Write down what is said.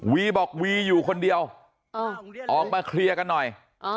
วีบอกวีอยู่คนเดียวออกมาเคลียร์กันหน่อย